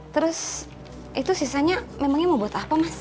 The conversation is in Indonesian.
terus itu sisanya memangnya mau buat apa mas